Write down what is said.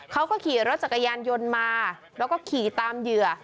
เขาก็ขี่รถจักรยานยนต์มาแล้วก็ขี่ตามเหยื่อ